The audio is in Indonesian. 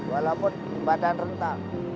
walaupun badan rentak